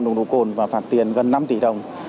nồng độ cồn và phạt tiền gần năm tỷ đồng